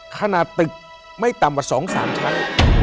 ขนาดตึกไม่ต่ำกว่า๒๓ชั้น